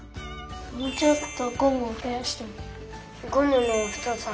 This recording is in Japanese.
もうちょっとゴムをふやしてみる。